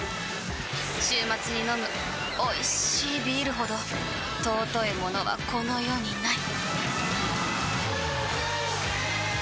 週末に飲むおいしいビールほど尊いものはこの世にない！